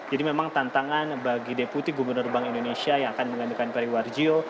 jadi memang tantangan bagi deputi gubernur bank indonesia yang akan menggantikan periwar jiyo